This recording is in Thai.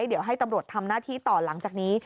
เดี๋ยวให้ตำรวจทำหน้าที่ต่อหลังจากนี้